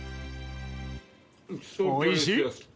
おいしい！